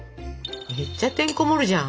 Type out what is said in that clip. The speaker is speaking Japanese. めっちゃてんこ盛るじゃん。